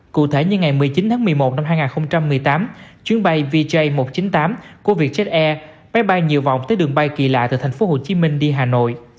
cụ thể như ngày một mươi chín tháng một mươi một năm hai nghìn một mươi tám chuyến bay vj một trăm chín mươi tám của vietjet air bay bay nhiều vọng tới đường bay kỳ lạ từ thành phố hồ chí minh đi hà nội